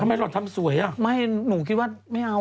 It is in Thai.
ถ้ายอดติดตาม๕แสนขึ้นไปเนี่ยก็จะอยู่ประมาณ๕หมื่นบาท